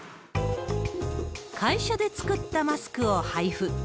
会社で作ったマスクを配付。